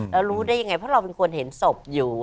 แล้วรู้ได้ยังไงเพราะเราเป็นคนเห็นศพอยู่